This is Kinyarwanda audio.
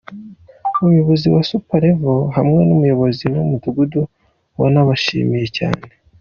Umuyobozi wa Super Level hamwe n’umuyobozi w’umudugudu wanabashimiye cyane.